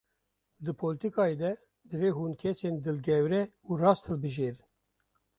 Di polîtîkayê de divê hûn kesên dilgewre û rast hilbijêrin.